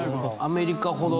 アメリカほど。